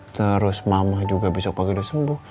terus mama juga besok pagi udah sembuh